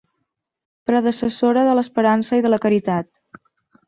Predecessora de l'esperança i de la caritat.